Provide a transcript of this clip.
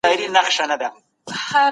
په تورو سترګو کي کمال د زلفو مه راوله